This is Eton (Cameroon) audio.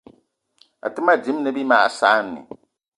Àtə́ mâ dímâ ne bí mag saanì